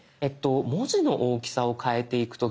文字の大きさを変えていく時。